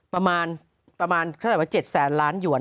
ประมาณเท่าไหร่ว่า๗แสนล้านหยวน